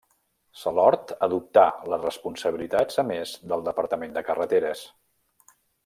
Salord adoptà les responsabilitats, a més, del departament de carreteres.